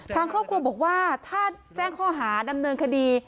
ทางครอบครัวบอกว่าถ้าแจ้งข้อหาดำเนินคดี